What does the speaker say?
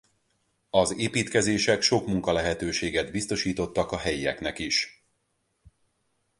Az építkezések sok munkalehetőséget biztosítottak a helyieknek is.